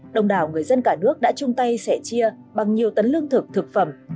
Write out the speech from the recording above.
đồng đảo người dân cả nước đã chung tay sẻ chia bằng nhiều tấn lương thực thực phẩm